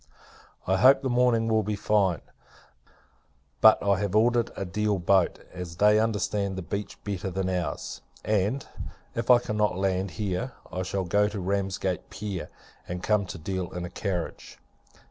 I hope the morning will be fine: but I have ordered a Deal boat, as they understand the beach better than our's; and, if I cannot land here, I shall go to Ramsgate Pier, and come to Deal in a carriage.